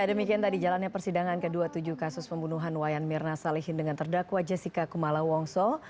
ya demikian tadi jalannya persidangan ke dua puluh tujuh kasus pembunuhan wayan mirna salihin dengan terdakwa jessica kumala wongso